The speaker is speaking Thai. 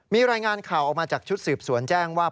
มีรายงานข่าวออกมาจากชุดสืบสวนแจ้งว่า